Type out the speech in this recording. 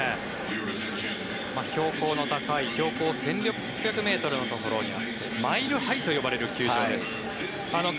標高の高い標高１６００ｍのところにあってマイル・ハイと呼ばれる球場です。